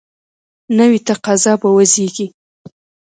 نوي تقاضا به وزیږي.